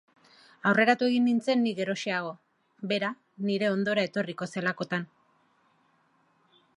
Aurreratu egin nintzen ni geroxeago, bera nire ondora etorriko zelakoan.